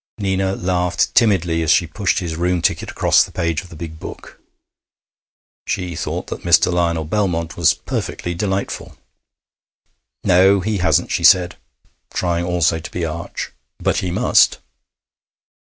Nina laughed timidly as she pushed his room ticket across the page of the big book. She thought that Mr. Lionel Belmont was perfectly delightful. 'No,' he hasn't,' she said, trying also to be arch; 'but he must.'